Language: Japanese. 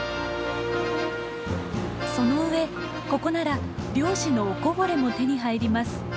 そのうえここなら漁師のおこぼれも手に入ります。